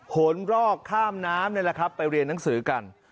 หนรอกข้ามน้ำนี่แหละครับไปเรียนหนังสือกัน